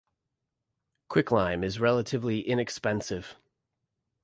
Quicklime is relatively inexpensive.